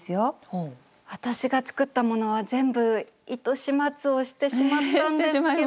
私が作ったものは全部糸始末をしてしまったんですけど。